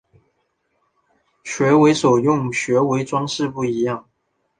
学为所用与学为‘装饰’不一样